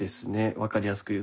分かりやすく言うと。